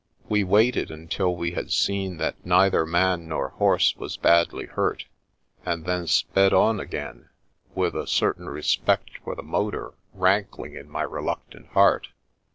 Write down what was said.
We waited until we had seen that neither man nor horse was badly hurt, and then sped on again, with a certain respect for the motor rankling in my re luctant heart.